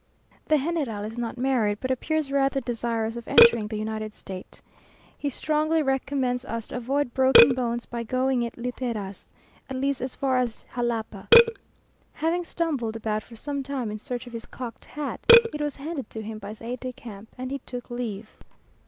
The general is not married, but appears rather desirous of entering the united state. He strongly recommends us to avoid broken bones by going it literas, at least as far as Jalapa. Having stumbled about for some time in search of his cocked hat, it was handed to him by his aide de camp, and he took leave.